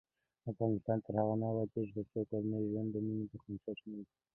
افغانستان تر هغو نه ابادیږي، ترڅو کورنی ژوند د مینې پر بنسټ نه وي.